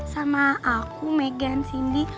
sama aku megan cindy